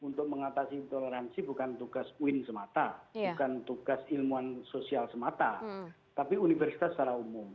untuk mengatasi intoleransi bukan tugas uin semata bukan tugas ilmuwan sosial semata tapi universitas secara umum